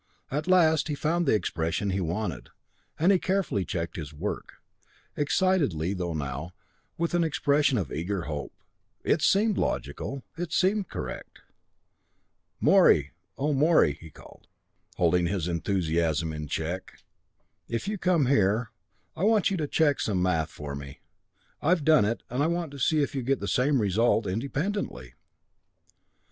At last he found the expression he wanted, and carefully he checked his work, excitedly though now, with an expression of eager hope it seemed logical it seemed correct "Morey oh, Morey," he called, holding his enthusiasm in check, "if you can come here I want you to check some math for me. I've done it and I want to see if you get the same result independently!"